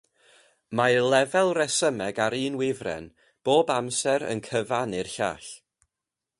Mae lefel resymeg ar un wifren bob amser yn cyfannu'r llall.